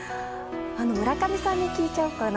村上さんに聞いちゃおうかな。